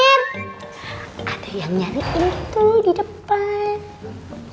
ada yang nyariin itu di depan